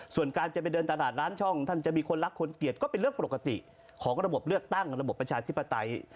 ส่วนการจะไปเดินตลาดร้านช่องท่านจะมีคนรักคนเกลียดก็เป็นเรื่องปกติของระบบเลือกตั้งระบบประชาธิปไตย